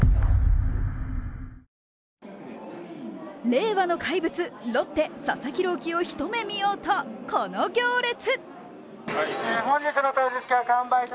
令和の怪物・ロッテ、佐々木朗希を一目見ようと、この行列。